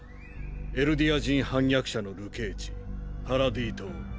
エルディア人反逆者の流刑地パラディ島。